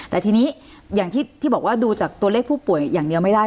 แต่ทีนี้อย่างที่บอกว่าดูจากตัวเลขผู้ป่วยอย่างเดียวไม่ได้